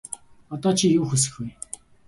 Одоо чи юу хүсэх вэ?